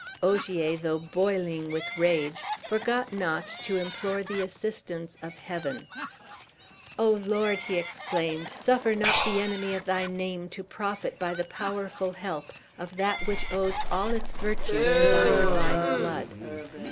Ogier, though boiling with rage, forgot not to implore the assistance of Heaven. "O Lord!" he exclaimed, "suffer not the enemy of thy name to profit by the powerful help of that which owes all its virtue to thy divine blood."